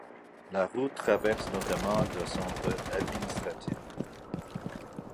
La route traverse notamment le centre administratif.